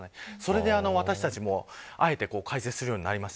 私たちも、あえて解説するようになりました。